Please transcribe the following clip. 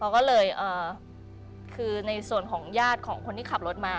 เขาก็เลยคือในส่วนของญาติของคนที่ขับรถมา